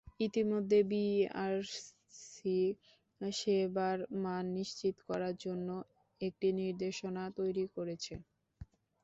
ইতিমধ্যে বিটিআরসি সেবার মান নিশ্চিত করার জন্য একটি নির্দেশনা তৈরি করেছে।